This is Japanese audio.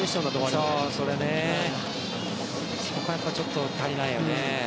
それはやっぱりちょっと足りないよね。